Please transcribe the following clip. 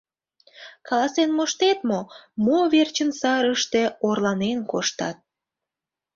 — Каласен моштет мо: мо верчын сарыште орланен коштат?